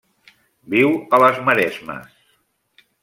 Viu a les maresmes.